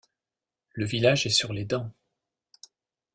Le village est sur les dents.